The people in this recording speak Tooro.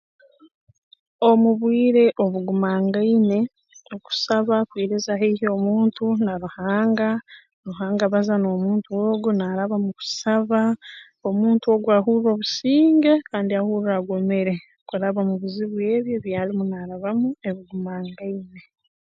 Omu bwire obugumangaine okusaba kwiriza haihi omuntu na Ruhanga Ruhanga abaza n'omuntu ogu naaraba mu kusaba omuntu ogu ahurra obusinge kandi ahurra agumire kuraba mu bizibu ebi ebi arumu naarabamu ebigumangaine